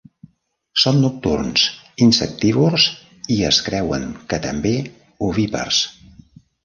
Són nocturns, insectívors i es creuen que també ovípars.